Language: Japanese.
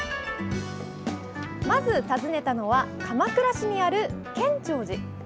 まず訪ねたのは鎌倉市にある建長寺。